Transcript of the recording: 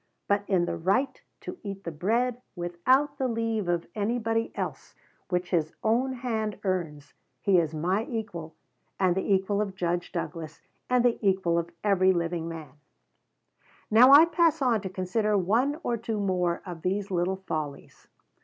But _in the right to eat the bread, without the leave of anybody else, which his own hand earns, he is my equal and the equal of Judge Douglas, and the equal of every living man_. Now I pass on to consider one or two more of these little follies.